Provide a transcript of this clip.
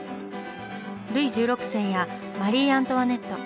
ルイ１６世やマリー・アントワネット。